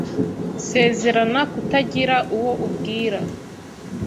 Sezerana kutagira uwo ubwira.